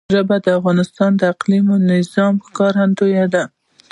ژبې د افغانستان د اقلیمي نظام ښکارندوی ده.